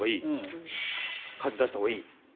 風を出したほうがいい。